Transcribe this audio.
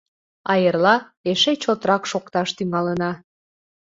А эрла эше чотрак шокташ тӱҥалына.